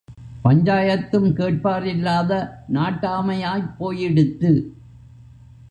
பஞ்சாயத்தும் கேட்பாரில்லாத நாட்டாமயாப் போயிடுத்து.